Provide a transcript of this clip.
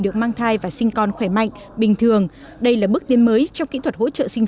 được mang thai và sinh con khỏe mạnh bình thường đây là bước tiến mới trong kỹ thuật hỗ trợ sinh